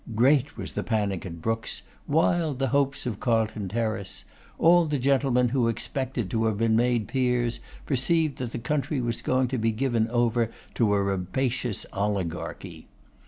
Great was the panic at Brookes', wild the hopes of Carlton Terrace; all the gentlemen who expected to have been made peers perceived that the country was going to be given over to a rapacious oligarchy.